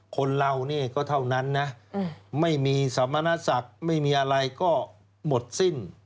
คนเรานี่ก็เท่านั้นนะไม่มีสมณศักดิ์ไม่มีอะไรก็หมดสิ้น